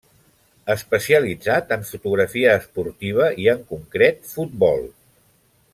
Especialitzat en fotografia esportiva i, en concret, futbol.